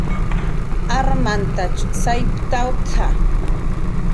"Armantach sayptawt""a"